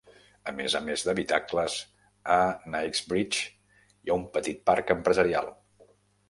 A més a més d'habitacles, a Knightsbridge hi ha un petit parc empresarial.